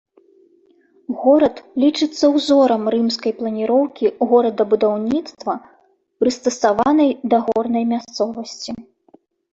Горад лічыцца ўзорам рымскай планіроўкі горадабудаўніцтва, прыстасаванай да горнай мясцовасці.